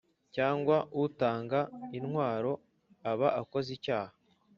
cyangwa utanga intwaro aba akoze icyaha